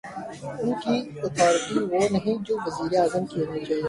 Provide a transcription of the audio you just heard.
ان کی اتھارٹی وہ نہیں جو وزیر اعظم کی ہونی چاہیے۔